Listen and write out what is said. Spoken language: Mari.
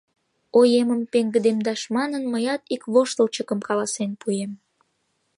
Оемым пеҥгыдемдаш манын, мыят ик воштылчыкым каласен пуэм.